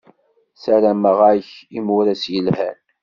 Sarameɣ-ak imuras yelhan.